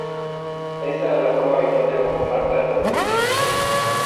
Esta era la forma habitual de conformar plantas de edificaciones.